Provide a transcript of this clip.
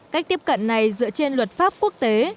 cách tiếp cận này dựa trên luật pháp quốc tế